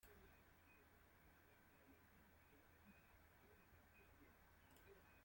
Este ejemplo se encuentra principalmente en pequeñas botellas de perfume y similares.